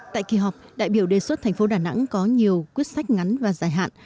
tại kỳ họp đại biểu đề xuất tp đà nẵng có nhiều quyết sách ngắn và dài hạn